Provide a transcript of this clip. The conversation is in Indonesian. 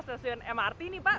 stasiun mrt ini pak